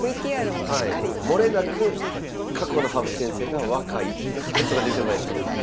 もれなく過去の羽生先生が若いっていう感想が出てまいりますんで。